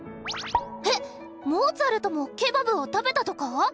えっモーツァルトもケバブを食べたとか！？